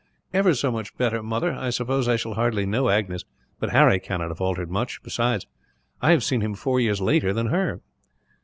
"Ever so much better, mother. I suppose I shall hardly know Agnes, but Harry cannot have altered much; besides, I have seen him four years later than her."